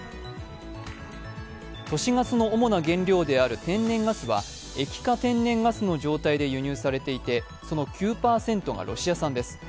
都市ガスの主な原料である天然ガスは液化天然ガスの状態で輸入されていて、その９％はロシア産です。